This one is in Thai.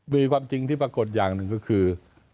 มีความจริงที่ปรากฏอย่างหนึ่งก็คือ